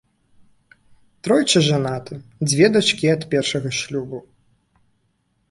Тройчы жанаты, дзве дачкі ад першага шлюбу.